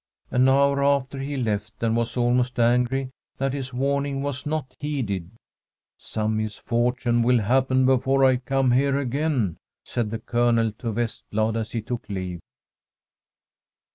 An hour after he left, and was almost angry that his warn ing was not heeded. ' Some misfortune will hap pen before I come here again,' said the Colonel to Vestblad, as he took leave.